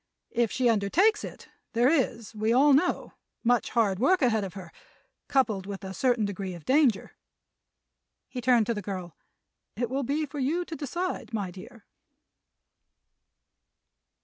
If she undertakes it there is, we all know, much hard work ahead of her, coupled with a certain degree of danger." He turned to the girl. "It will be for you to decide, my dear."